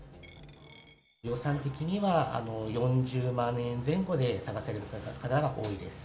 予算的には４０万円前後で探される方が多いです。